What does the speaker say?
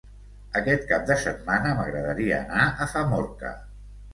Aquest cap de setmana m'agradaria anar a Famorca.